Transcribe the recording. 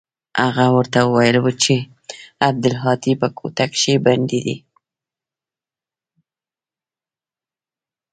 هغه ورته ويلي و چې عبدالهادي په کوټه کښې بندي دى.